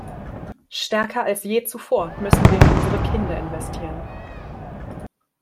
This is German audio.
Stärker als je zuvor müssen wir in unsere Kinder investieren.